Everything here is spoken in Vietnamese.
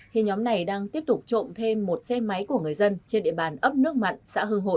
khi nhóm này đang tiếp tục trộm thêm một xe máy của người dân trên địa bàn ấp nước mặn xã hương hội